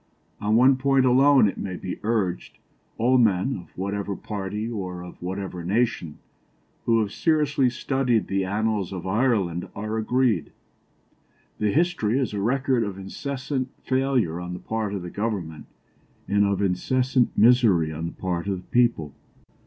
"On one point alone (it may be urged) all men, of whatever party or of whatever nation, who have seriously studied the annals of Ireland are agreed the history is a record of incessant failure on the part of the Government, and of incessant misery on the part of the people.